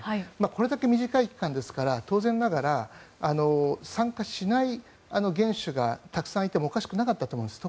これだけ短い期間ですから当然ながら参加しない元首がたくさんいてもおかしくなかったと思います。